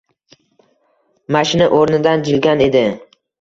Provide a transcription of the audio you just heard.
Mashina o‘rnidan jilgan edi.